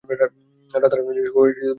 রাধারানীর সঙ্গে ঠিক মানাবে।